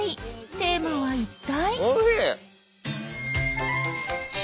テーマは一体？